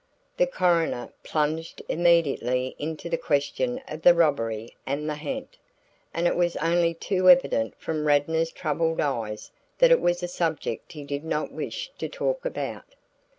The coroner plunged immediately into the question of the robbery and the ha'nt, and it was only too evident from Radnor's troubled eyes that it was a subject he did not wish to talk about.